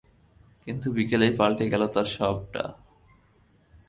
কিন্তু বিকেলেই পাল্টে গেল তার সবটা।